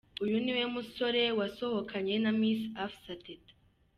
Uyu niwe musore wasohokanye na Miss Afsa Teta.